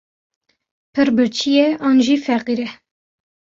Pir birçî ye an jî feqîr e.